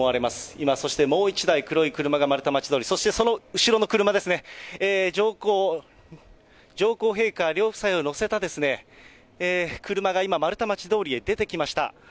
今そしてもう１台黒い車がまるたまち通り、そしてその後ろの車ですね、上皇陛下両夫妻を乗せた車が今、まるたまち通りへ出てきました。